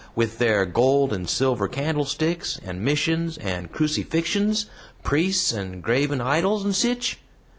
With their gold and silver candlesticks, and missions, and crucifixens, priests and graven idols, and sich?